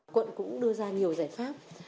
quận cũng đưa ra nhiều giải pháp